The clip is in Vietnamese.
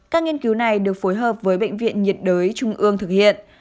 các nghiên cứu này được phối hợp với bệnh viện nhiệt đới trung ương thực hiện